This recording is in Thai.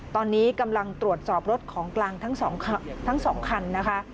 ตอนนี้กำลังตรวจสอบรถของกลางทั้ง๒คันนะคะ